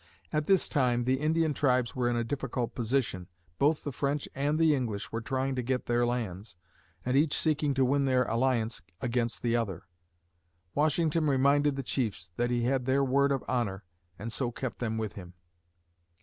At this time, the Indian tribes were in a difficult position. Both the French and the English were trying to get their lands and each seeking to win their alliance against the other. Washington reminded the chiefs that he had their word of honor and so kept them with him.